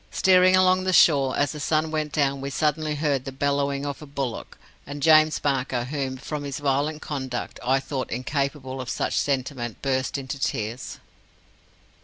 Steering along the shore, as the sun went down, we suddenly heard the bellowing of a bullock, and James Barker, whom, from his violent conduct, I thought incapable of such sentiment, burst into tears.